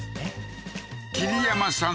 桐山さん